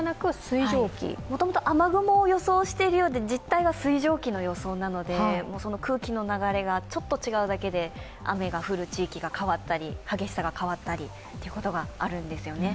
もともと雨雲を予想しているようで、実態は水蒸気の予想なのでその空気の流れがちょっと違うだけで雨が降る地域が変わったり、激しさが変わったりということがあるんですよね。